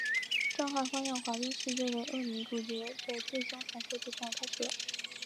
震撼花样滑冰界的恶女主角的最凶传说就这样开始了！